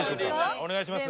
お願いします。